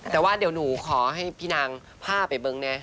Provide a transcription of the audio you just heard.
แต่ว่าเดี๋ยวหนูขอให้พี่นางพาไปเบิ้งแน่